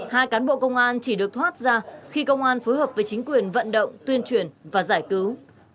hai cán bộ công an chỉ được thoát ra khi công an phối hợp với chính quyền vận động tuyên truyền và giải cứu